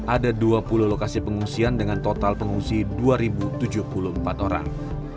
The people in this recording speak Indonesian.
ada dua puluh lokasi pengungsian dengan total pengungsi dua tujuh puluh empat orang